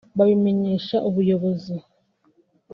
“babimenyeshe ubuyobozi